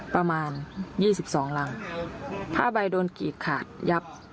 ประมาณยี่สิบสองรังผ้าใบโดนกรีดขาดยับ